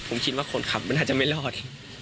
ผมคิดว่าคนขับมันอาจจะไม่รอด